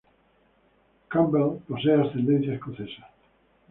Campbell posee ascendencia escocesa.